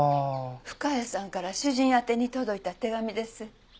深谷さんから主人宛てに届いた手紙です。